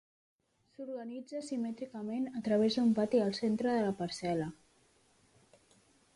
S'organitza simètricament a través d'un pati al centre de la parcel·la.